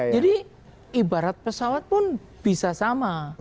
jadi ibarat pesawat pun bisa sama